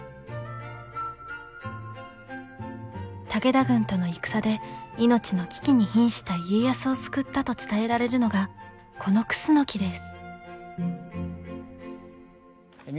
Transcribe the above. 武田軍との戦で命の危機にひんした家康を救ったと伝えられるのがこの楠の木です。